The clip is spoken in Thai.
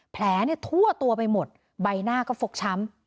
แผลทั่วตัวไปหมดใบหน้าก็ฟกช้ำ